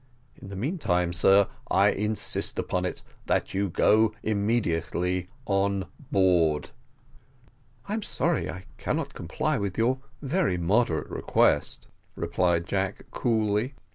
In the meantime, sir, I insist upon it, that you go immediately on board." "I'm sorry that I cannot comply with your very moderate request," replied Jack coolly.